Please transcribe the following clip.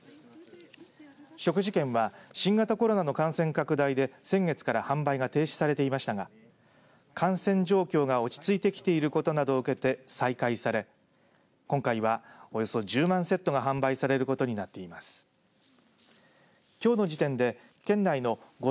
食事券は新型コロナの感染拡大で先月から販売が停止されていましたが感染状況が落ち着いてきていることなどを受けて再開され今回は、およそ１０万セットが販売されることになっています。